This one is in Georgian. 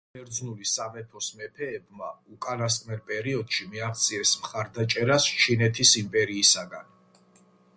ინდო–ბერძნული სამეფოს მეფეებმა უკანასკნელ პერიოდში მიაღწიეს მხარდაჭერას ჩინეთის იმპერიისაგან.